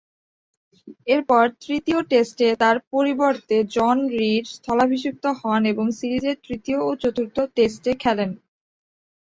এরপর, তৃতীয় টেস্টে তার পরিবর্তে জন রিড স্থলাভিষিক্ত হন এবং সিরিজের তৃতীয় ও চতুর্থ টেস্টে খেলেন।